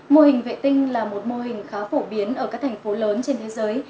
mô hình vệ tinh là một mô hình khá phổ biến ở các thành phố lớn trên thế giới